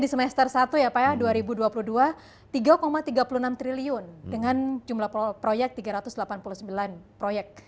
di semester satu ya pak ya dua ribu dua puluh dua tiga puluh enam triliun dengan jumlah proyek tiga ratus delapan puluh sembilan proyek